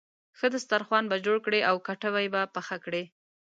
ښه دسترخوان به جوړ کړې او کټوۍ به پخه کړې.